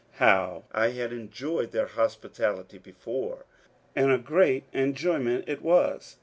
Howe. I had enjoyed their hospitality before, and a great enjoyment it was.